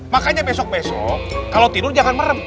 makanya besok besok kalau tidur jangan merem